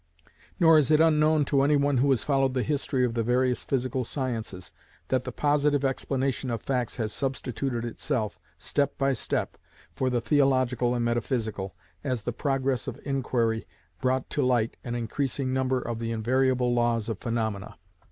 Nor is it unknown to any one who has followed the history of the various physical sciences, that the positive explanation of facts has substituted itself, step by step, for the theological and metaphysical, as the progress of inquiry brought to light an increasing number of the invariable laws of phaenomena.